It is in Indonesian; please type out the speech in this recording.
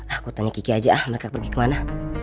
aku tanya kiki aja mereka pergi ke mana